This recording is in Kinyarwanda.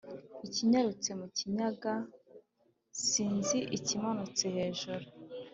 ikinyarutse mu kinyaga/ sinzi ikimanutse hejuru/